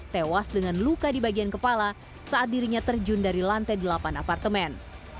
tewas dengan luka di bagian kepala saat dirinya terjun dari lantai delapan apartemen